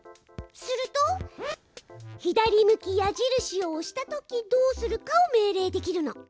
すると左向き矢印を押したときどうするかを命令できるの。